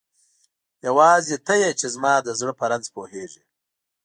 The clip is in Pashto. یواځی ته یی چی زما د زړه په رنځ پوهیږی